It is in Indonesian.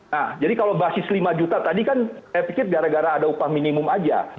nah jadi kalau basis lima juta tadi kan saya pikir gara gara ada upah minimum aja